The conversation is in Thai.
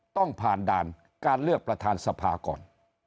ต้องผ่านด่านการเลือกประธานสภาก่อน